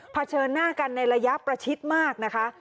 เฉินหน้ากันในระยะประชิดมากนะคะ